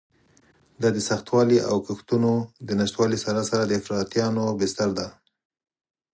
دا د سختوالي او کښتونو د نشتوالي سره سره د افراطیانو بستر دی.